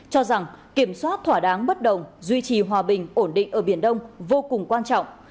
cho rằng kiểm soát thỏa đáng bất đồng duy trì hòa bình ổn định ở biển đông vô cùng quan trọng